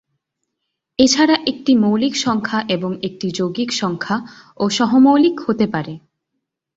এছাড়া একটি মৌলিক সংখ্যা এবং একটি যৌগিক সংখ্যা ও সহ-মৌলিক হতে পারে।